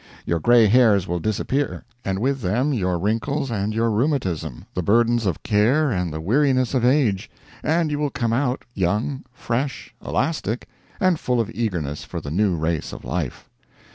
Your gray hairs will disappear, and with them your wrinkles and your rheumatism, the burdens of care and the weariness of age, and you will come out young, fresh, elastic, and full of eagerness for the new race of life.